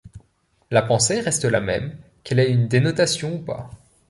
La pensée reste la même qu'elle ait une dénotation ou pas.